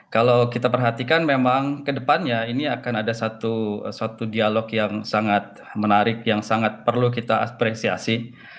kalau kita perhatikan memang kedepannya ini akan ada satu dialog yang sangat menarik yang sangat perlu kita apresiasi